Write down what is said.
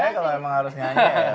ya kalau emang harus nyanyi ya